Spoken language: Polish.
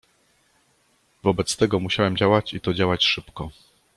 "Wobec tego musiałem działać i to działać szybko."